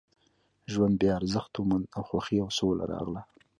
ژوند بیا ارزښت وموند او خوښۍ او سوله راغله